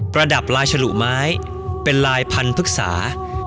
ระดับลายฉลุไม้เป็นลายพันธุกษา